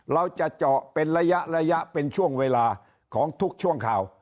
เราจะเจาะเป็นระยะระยะเป็นช่วงเวลาของทุกช่วงข่าว